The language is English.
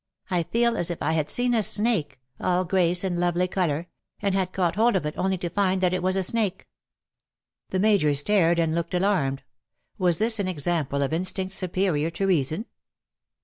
I feel as if I had seen a snake — all grace and lovely colour — and had caught hold of it, only to find that it was a snake/'' The Major stared and looked alarmed. Was this an example of instinct superior to reason